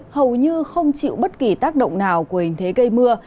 hầu như không chịu bất kỳ tác động nào của hình thế gây mưa